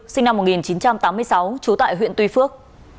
sinh năm một nghìn chín trăm tám mươi sáu trú tại huyện tuy phước